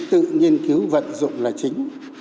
tự nghiên cứu vận dụng là chính